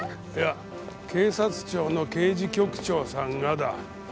いや警察庁の刑事局長さんがだ